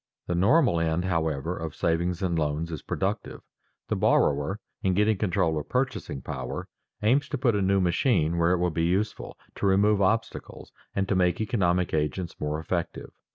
The "normal" end, however, of savings and loans is productive. The borrower, in getting control of purchasing power, aims to put a new machine where it will be useful, to remove obstacles, and to make economic agents more effective.